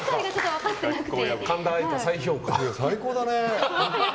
最高だね。